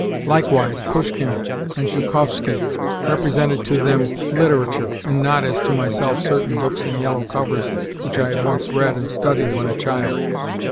Likewise, Pushkin and Zhukovski represented to them LITERATURE, and not, as to myself, certain books in yellow covers which I had once read and studied when a child.